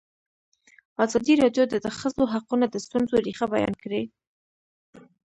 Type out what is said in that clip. ازادي راډیو د د ښځو حقونه د ستونزو رېښه بیان کړې.